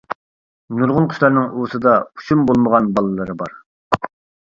نۇرغۇن قۇشلارنىڭ ئۇۋىسىدا ئۇچۇم بولمىغان بالىلىرى بار.